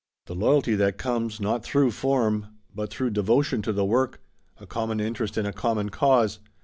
The loyalty that comes, not through form, but through devotion to the work a common interest in a common cause.